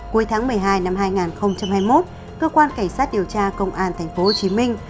cuối tháng một mươi hai năm hai nghìn hai mươi một cơ quan cảnh sát điều tra công an thành phố hồ chí minh